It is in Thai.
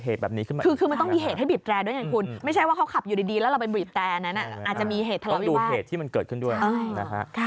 ให้เกิดเหตุแบบนี้ขึ้นมา